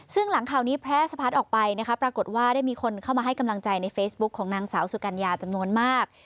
ซึ่งหลังข่าวนี้แพร่สะพัดออกไปนะคะปรากฏว่าได้มีคนเข้ามาให้กำลังใจในเฟซบุ๊คของนางสาวสุกัญญาจำนวนมาก